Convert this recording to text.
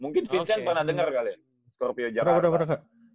mungkin vincent pernah denger kali ya